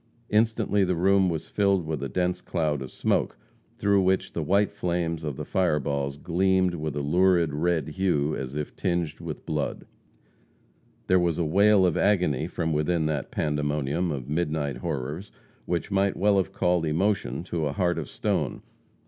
Instantly the room was filled by a dense cloud of smoke, through which the white flames of the fireballs gleamed with a lurid red hue as if tinged with blood. There was a wail of agony from within that pandemonium of midnight horrors which might well have called emotion to a heart of stone.